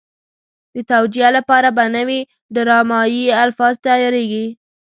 د توجیه لپاره به نوي ډرامایي الفاظ تیارېږي.